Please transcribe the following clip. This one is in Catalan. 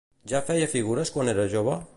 Ja feia figures quan era jove?